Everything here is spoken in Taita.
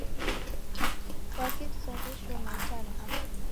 Kwaki kusaw'eshoma itanaha?